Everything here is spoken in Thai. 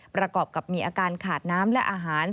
ประกอบกับมีอาการขาดน้ำและอาหาร